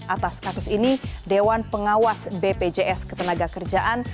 atas kasus ini dewan pengawas bpjs ketenaga kerjaan